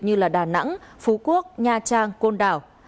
như đà nẵng phú quốc nha trang côn đảo